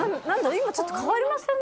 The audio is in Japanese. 今ちょっと変わりません？